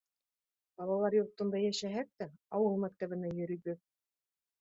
Балалар йортонда йәшәһәк тә, ауыл мәктәбенә йөрөйбөҙ.